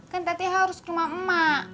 kan berarti harus ke rumah emak